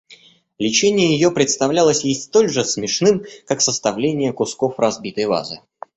Лечение ее представлялось ей столь же смешным, как составление кусков разбитой вазы.